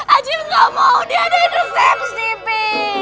aduh ngomong dia ada intercept sih pi